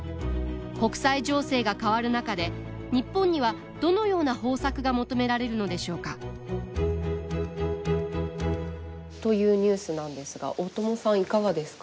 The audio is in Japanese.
国際情勢が変わる中で日本にはどのような方策が求められるのでしょうかというニュースなんですが大友さんいかがですか？